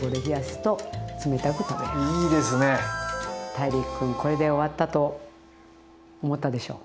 ＴＡＩＲＩＫ君これで終わったと思ったでしょう？